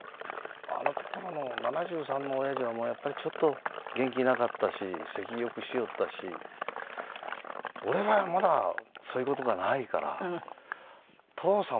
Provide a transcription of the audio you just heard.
あの頃の７３のおやじはやっぱりちょっと元気なかったし咳よくしよったし俺はまだそういう事がないから父さん